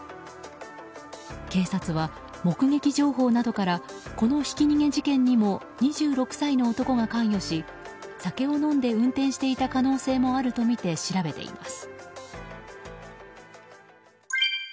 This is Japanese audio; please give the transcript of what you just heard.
警察は目撃情報などからこのひき逃げ事件にも２６歳の男が関与し酒を飲んで運転していた可能性もあるとみて調べています。